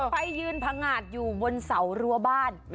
ไปยืนผงาดอยู่บนเสารั้วบ้าน